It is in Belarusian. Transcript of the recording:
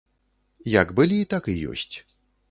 Як былі, так і ёсць.